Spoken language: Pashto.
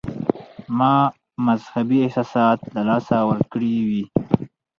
ما مذهبي احساسات له لاسه ورکړي وي.